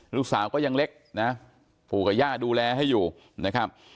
ลูกสาวก็ยังเล็กนะปู่กับย่าดูแลให้อยู่นะครับ